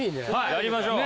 やりましょう。